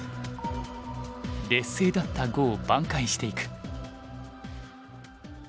劣勢だった碁を挽回していく。